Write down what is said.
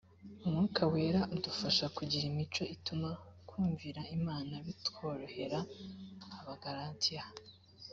umwuka wera udufasha kugira imico ituma kumvira imana bitworohera abagalatiya